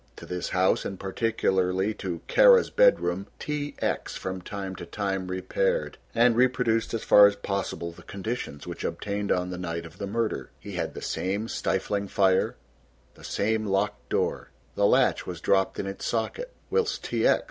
To this house and particularly to Kara's bedroom T. X. from time to time repaired, and reproduced as far as possible the conditions which obtained on the night of the murder. He had the same stifling fire, the same locked door. The latch was dropped in its socket, whilst T. X.